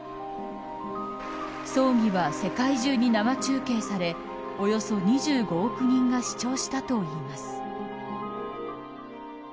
葬儀は世界中に生中継されおよそ２５億人が視聴したといいます。